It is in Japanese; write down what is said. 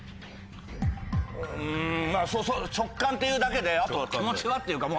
んまぁ直感っていうだけであとは気持ちはっていうか